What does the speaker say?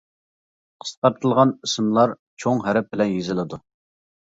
قىسقارتىلغان ئىسىملار چوڭ ھەرپ بىلەن يېزىلىدۇ.